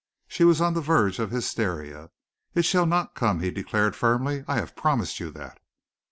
She was on the verge of hysteria. "It shall not come," he declared firmly. "I have promised you that."